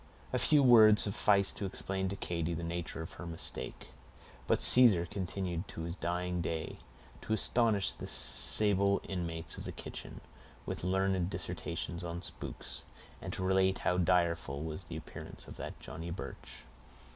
A few words sufficed to explain to Katy the nature of her mistake; but Caesar continued to his dying day to astonish the sable inmates of the kitchen with learned dissertations on spooks, and to relate how direful was the appearance of that of Johnny Birch.